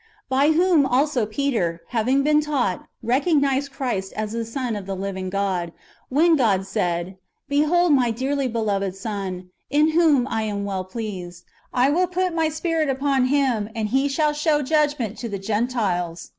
By whom also Peter, having been taught, recognised Christ as the Son of the living God, wdien [God] said, " Behold my dearly beloved Son, in whom I am well pleased : I will put my Spirit upon Him, and He shall show judgment to the Gentiles.